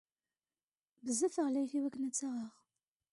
Bezzaf ɣlayet i wakken ad tt-aɣeɣ.